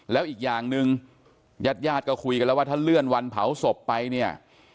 แล้วอีกอย่างหนึ่งญาติญาติก็คุยกันแล้วว่าถ้าเลื่อนวันเผาศพไปเนี่ย